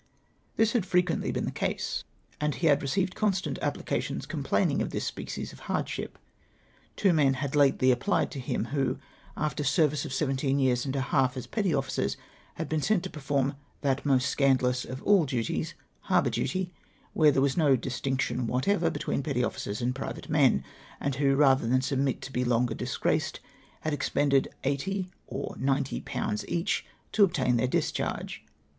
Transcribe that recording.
" This had frequently been the case ; and he had received 276 TENSIONS. constant applications complaining of this species of hardship. Two men had lately applied to him, who, after a service of seventeen years and a half, as petty officers, had been sent to perform that most scandalous of all duties — harbour duty ; where there was no distinction wliatever between petty officers and private men ; and, who, rather than submit to be longer disgraced, had expended SOL or 90^. each, to obtain their discharge.